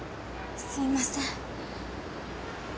すいません。